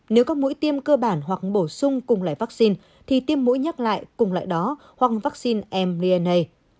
nếu các mũi tiêm cơ bản hoặc bổ sung cùng loại vaccine thì tiêm mũi nhắc lại cùng loại đó hoặc vaccine mrna